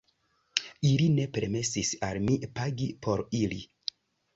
Ili ne permesis al mi pagi por ili.